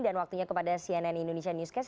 dan waktunya kepada cnn indonesia newscast